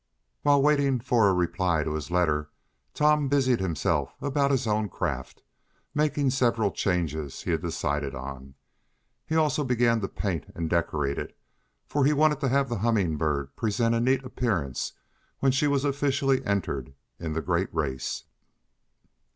While waiting for a reply to his letter, Tom busied himself about his own craft, making several changes he had decided on. He also began to paint and decorate it, for he wanted to have the Humming Bird present a neat appearance when she was officially entered in the great race.